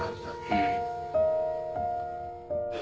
うん。